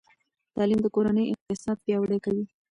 تعلیم د کورنۍ اقتصاد پیاوړی کوي.